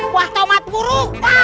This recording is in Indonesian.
buah tomat burung